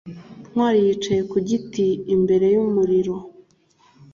ntwali yicaye ku giti imbere y'umuriro